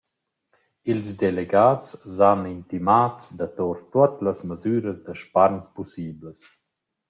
«Ils delegats s’han intimats da tour tuot las masüras da spargn pussiblas.»